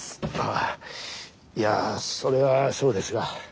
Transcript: あいやそれはそうですが。